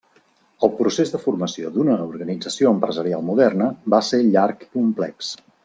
El procés de formació d'una organització empresarial moderna va ser llarg i complex.